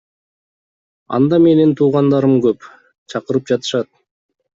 Анда менин туугандарым көп, чакырып жатышат.